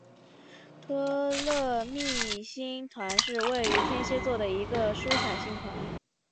托勒密星团是位于天蝎座的一个疏散星团。